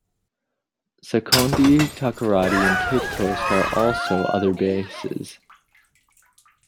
Sekondi-Takoradi and Cape Coast are also other bases.